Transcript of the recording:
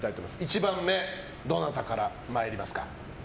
１番目、どなたからまいりますか。